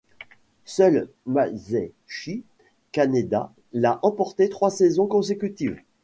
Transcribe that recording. Seul Masaichi Kaneda l'a emporté trois saisons consécutives.